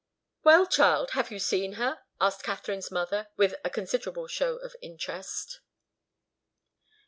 "Well, child, have you seen her?" asked Katharine's mother, with a considerable show of interest.